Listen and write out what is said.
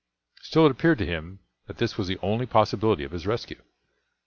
Still, it appeared to him that this was the only possibility of his rescue.